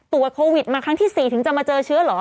ตรวจโควิดมาครั้งที่๔ถึงจะมาเจอเชื้อเหรอ